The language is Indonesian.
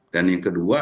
dan yang kedua